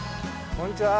こんにちは。